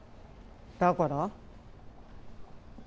だから？